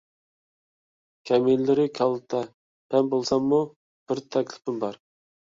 كەمىنىلىرى كالتە پەم بولساممۇ بىر تەكلىپىم بار.